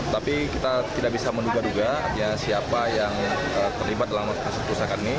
tapi kita tidak bisa menduga duga siapa yang terlibat dalam perusahaan ini